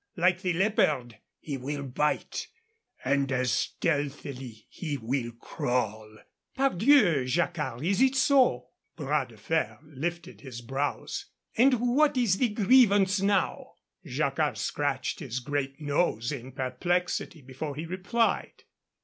Like the leopard, he will bite, and as stealthily he will crawl." "Pardieu, Jacquard, is it so?" Bras de Fer lifted his brows. "And what is the grievance now?" Jacquard scratched his great nose in perplexity before he replied.